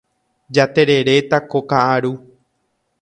Jatereréta ko ka'aru.